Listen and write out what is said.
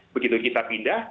begitu kita pindah